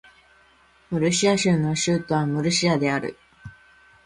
ムルシア州の州都はムルシアである